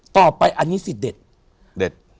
ต่อไปอันนี้สิทธิ์เด็ดเด็ด